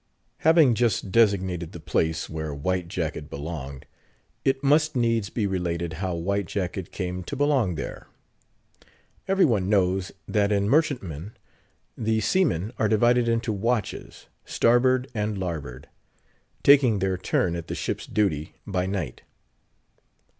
Having just designated the place where White Jacket belonged, it must needs be related how White Jacket came to belong there. Every one knows that in merchantmen the seamen are divided into watches—starboard and larboard—taking their turn at the ship's duty by night.